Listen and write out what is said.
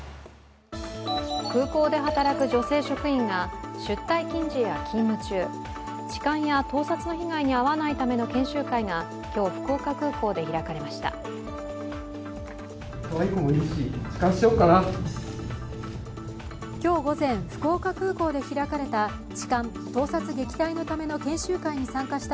空港で働く女性職員が出退勤時や勤務中、痴漢や盗撮の被害に遭わないための研修会が今日、福岡空港で開かれました。